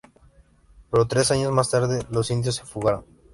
Pero tres años más tarde, los indios se fugaron.